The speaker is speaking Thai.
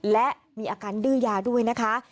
และมีอาการดื้อยาด้วยนะคะ